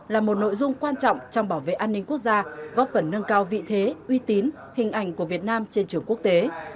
là một nội dung quan trọng trong bảo vệ an ninh quốc gia góp phần nâng cao vị thế uy tín hình ảnh của việt nam trên trường quốc tế